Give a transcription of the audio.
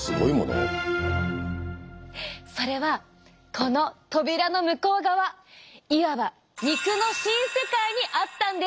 それはこの扉の向こう側いわば肉の新世界にあったんです。